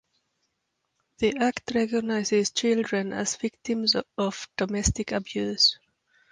The Act recognizes children as victims of domestic abuse.